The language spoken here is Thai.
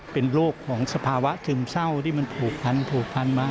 เป็นลูกของสภาวะถึงเศร้าที่มันผูกพันมา